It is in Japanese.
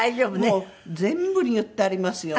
もう全部に言ってありますよ。